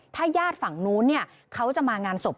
ถ้าญาติฝั่งนู้นเขาจะมางานศพ